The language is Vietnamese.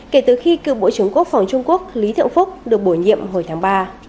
kể từ khi cựu bộ trưởng quốc phòng trung quốc lý thượng phúc được bổ nhiệm hồi tháng ba